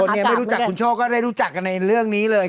เนี่ยไม่รู้จักคุณโชคก็ได้รู้จักกันในเรื่องนี้เลย